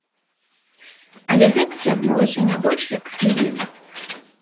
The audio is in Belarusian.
Але гэта цягнулася не больш як хвіліну.